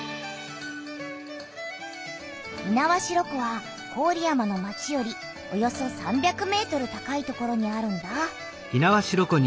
猪苗代湖は郡山の町よりおよそ３００ｍ高い所にあるんだ。